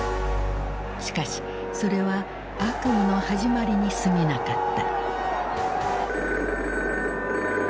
しかしそれは悪夢の始まりにすぎなかった。